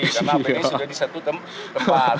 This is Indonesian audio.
karena apd sudah disetup tepat